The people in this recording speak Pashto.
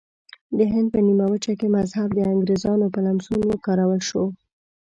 د هند په نیمه وچه کې مذهب د انګریزانو په لمسون وکارول شو.